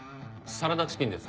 サラダチキンです。